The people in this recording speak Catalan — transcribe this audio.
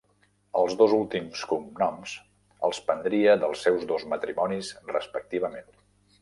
Els dos últims cognoms els prendria dels seus dos matrimonis respectivament.